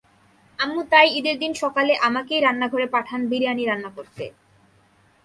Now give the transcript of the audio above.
আম্মু তাই ঈদের দিন সকালে আমাকেই রান্নাঘরে পাঠান বিরিয়ানি রান্না করতে।